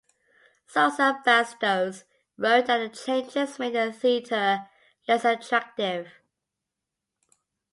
Sousa Bastos wrote that the changes made the theatre less attractive.